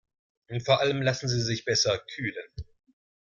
Vor allem lassen sie sich besser kühlen.